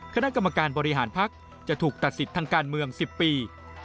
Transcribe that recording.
คณะกรรมการบริหารภักดิ์จะถูกตัดสิทธิ์ทางการเมือง๑๐ปี